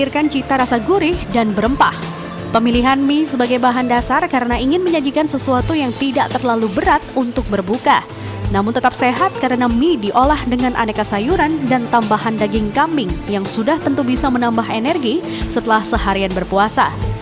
kari kambing adalah minyak dan daging kambing yang sudah tentu bisa menambah energi setelah seharian berpuasa